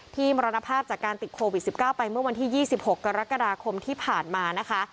มรณภาพจากการติดโควิด๑๙ไปเมื่อวันที่๒๖กรกฎาคมที่ผ่านมานะคะ